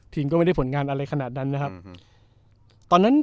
ทีมก็ไม่ได้ผลงานอะไรขนาดนั้นนะครับ